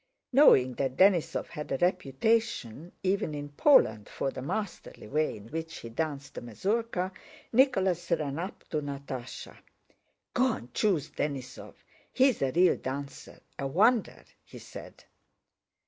Knowing that Denísov had a reputation even in Poland for the masterly way in which he danced the mazurka, Nicholas ran up to Natásha: "Go and choose Denísov. He is a real dancer, a wonder!" he said.